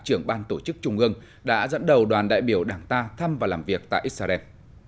trưởng ban tổ chức trung ương đã dẫn đầu đoàn đại biểu đảng ta thăm và làm việc tại israel